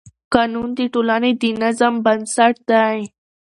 قانون د ټولنې د نظم بنسټ دی.